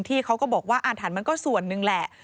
ในพื้นที่เขาก็บอกว่าอาถรรมันก็ส่วนนึงแหละ